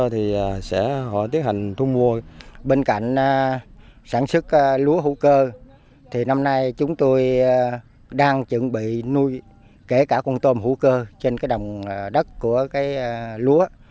thì sẽ họ tiến hành thu mua bên cạnh sản xuất lúa hữu cơ thì năm nay chúng tôi đang chuẩn bị nuôi kể cả con tôm hữu cơ trên cái đồng đất của cái lúa